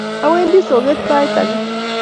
Awendi soget sait ake